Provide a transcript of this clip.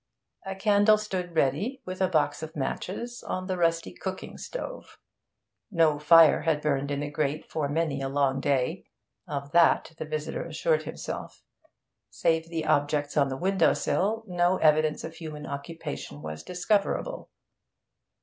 A candle stood ready, with a box of matches, on the rusty cooking stove. No fire had burned in the grate for many a long day; of that the visitor assured himself. Save the objects on the window sill, no evidence of human occupation was discoverable.